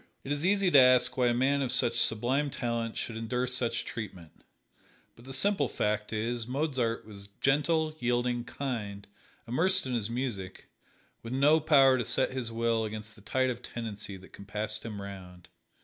It is easy to ask why a man of such sublime talent should endure such treatment, but the simple fact is Mozart was gentle, yielding, kind immersed in his music with no power to set his will against the tide of tendency that 'compassed him round.